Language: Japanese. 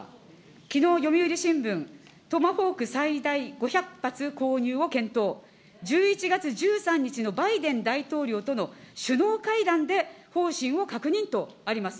きのう読売新聞、トマホーク最大５００発購入を検討、１１月１３日のバイデン大統領との首脳会談で方針を確認とあります。